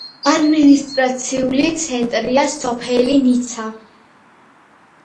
ადმინისტრაციული ცენტრია სოფელი ნიცა.